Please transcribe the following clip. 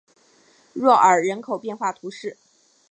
若尔人口变化图示